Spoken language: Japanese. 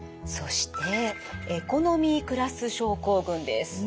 そしてエコノミークラス症候群です。